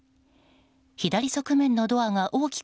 左側面のドアが大きく